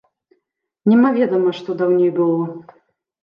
Немаведама, што даўней было.